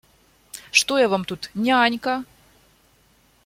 Что я Вам тут, нянька?